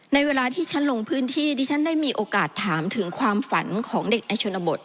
ในเวลาที่ฉันลงพื้นที่ดิฉันได้มีโอกาสถามถึงความฝันของเด็กในชนบท